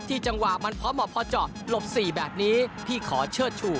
จังหวะมันพอเหมาะพอเจาะหลบสี่แบบนี้พี่ขอเชิดชู